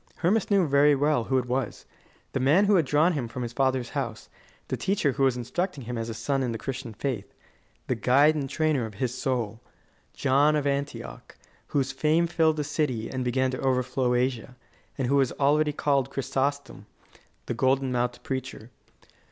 Hermas knew very well who it was: the man who had drawn him from his father's house, the teacher who was instructing him as a son in the Christian faith, the guide and trainer of his soul John of Antioch, whose fame filled the city and began to overflow Asia, and who was called already Chrysostom, the golden mouthed preacher.